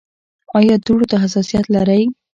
ایا دوړو ته حساسیت لرئ؟